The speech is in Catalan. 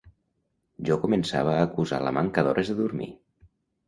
Jo començava a acusar la manca d'hores de dormir